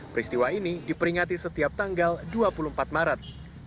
peristiwa ini diperingati setiap tanggal dua puluh empat maret